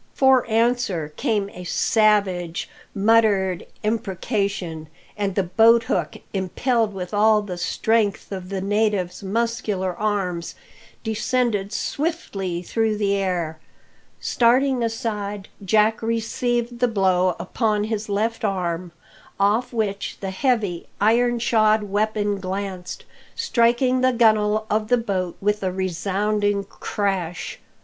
For answer came a savage, muttered imprecation; and the boathook, impelled with all the strength of the native's muscular arms, descended swiftly through the air. Starting aside, Jack received the blow' upon his left arm, off which the heavy, iron shod weapon glanced, striking the gun'le of the boat with a resounding crash.